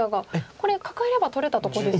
これカカえれば取れたとこですよね。